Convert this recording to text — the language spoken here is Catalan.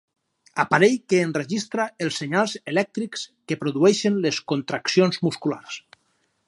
Aparell que enregistra els senyals elèctrics que produeixen les contraccions musculars.